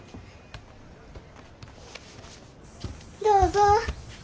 どうぞ。